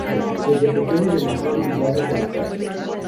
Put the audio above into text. Desde pequeño demostró habilidades en las artes.